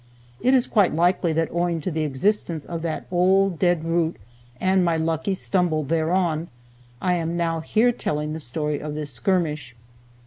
It is quite likely that owing to the existence of that old dead root, and my lucky stumble thereon, I am now here telling the story of this skirmish.